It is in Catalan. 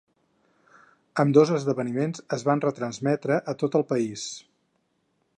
Ambdós esdeveniments es van retransmetre a tot el país.